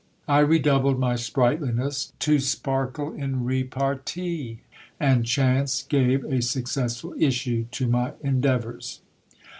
I redoubled my sprightliness, to sparkle in repartee ; and chance gave a successful issue to my endeavours.